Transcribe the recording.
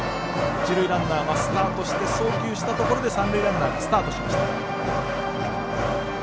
一塁ランナーはスタートして送球したところで三塁ランナースタートしました。